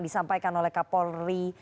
disampaikan oleh kapolri